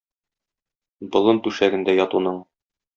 Болын түшәгендә ятуның!